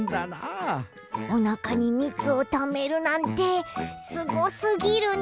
おなかにみつをためるなんてすごすぎるね！